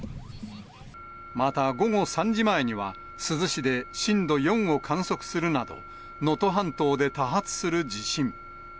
また、午後３時前には、珠洲市で震度４を観測するなど、能登半島で多発する地震。